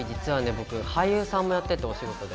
僕俳優さんもやっててお仕事で。